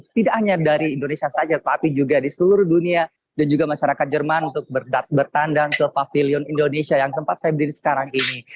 tidak hanya dari indonesia saja tapi juga di seluruh dunia dan juga masyarakat jerman untuk bertandang ke pavilion indonesia yang tempat saya berdiri sekarang ini